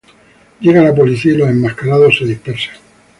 Llega la policía y los enmascarados se dispersan.